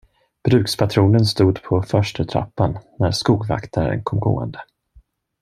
Brukspatronen stod på förstutrappan, när skogvaktaren kom gående.